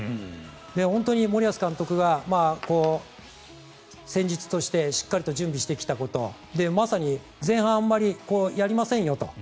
本当に森保監督が戦術としてしっかりと準備してきたことまさに前半、あまりやりませんよと。